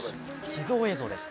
秘蔵映像です。